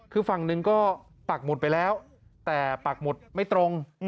คือฝั่งหนึ่งก็ปักหมุดไปแล้วแต่ปักหมุดไม่ตรง